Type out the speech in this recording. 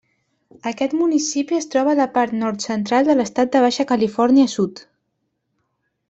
Aquest municipi es troba a la part nord-central de l'estat de Baixa Califòrnia Sud.